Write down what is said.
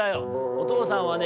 おとうさんはね